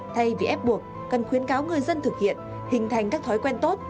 thay vì ép buộc cần khuyến cáo người dân thực hiện hình thành các thói quen tốt